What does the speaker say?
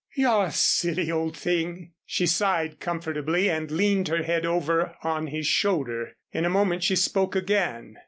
"You're a silly old thing." She sighed comfortably and leaned her head over on his shoulder. In a moment she spoke again.